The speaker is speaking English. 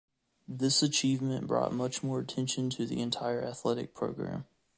This achievement brought much more attention to the entire athletic program.